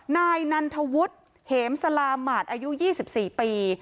นายนันทวุฒิเหมสลาหมาดอายุ๒๔ปี